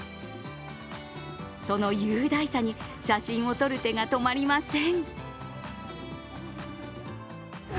その雄大さに写真を撮る手が止まりません。